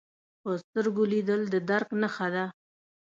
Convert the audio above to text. په سترګو لیدل د درک نښه ده